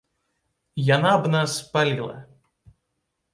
Яна б нас спаліла.